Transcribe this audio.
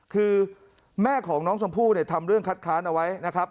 คือแม่ของน้องชมพู่เนี่ยทำเรื่องคัดค้านเอาไว้นะครับ